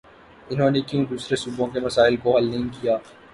انہوں نے کیوں دوسرے صوبوں کے مسائل کو حل نہیں کیا؟